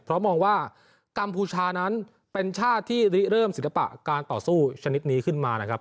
เพราะมองว่ากัมพูชานั้นเป็นชาติที่ริเริ่มศิลปะการต่อสู้ชนิดนี้ขึ้นมานะครับ